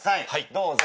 どうぞ。